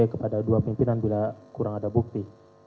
kepada dua pimpinan bila kurang ada bukti